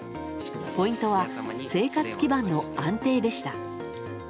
ポイントは生活基盤の安定でした。